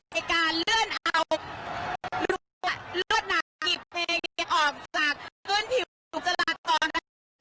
เพื่อนเอารวดหนากิดเพลงออกจากผู้ผิวจราตรต่อนะครับ